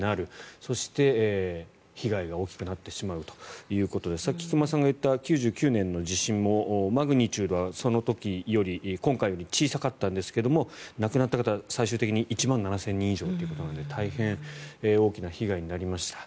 そして、被害が大きくなってしまうということでさっき菊間さんが言った１９９９年の地震もマグニチュードは今回より小さかったんですが亡くなった方は最終的に１万７０００人以上ということなので大変大きな被害になりました。